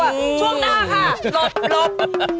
ช่วงหน้าค่ะหลบ